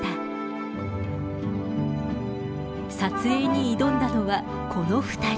撮影に挑んだのはこの２人。